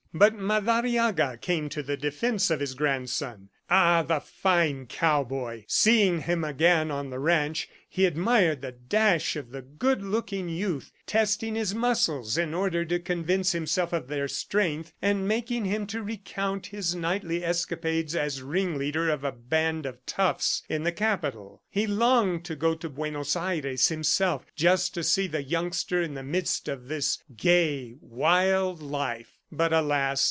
But Madariaga came to the defense of his grandson. "Ah, the fine cowboy!" ... Seeing him again on the ranch, he admired the dash of the good looking youth, testing his muscles in order to convince himself of their strength, and making him to recount his nightly escapades as ringleader of a band of toughs in the Capital. He longed to go to Buenos Aires himself, just to see the youngster in the midst of this gay, wild life. But alas!